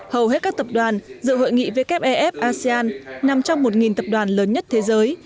hầu hết các tập đoàn dự hội nghị wef asean nằm trong một tập đoàn lớn nhất thế giới